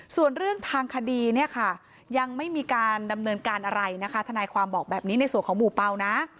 ส่วนเรื่องทางคดีเนี่ยค่ะยังไม่มีการดำเนินการอะไรนะคะทนายความบอกแบบนี้ในส่วนของหมู่เปล่านะ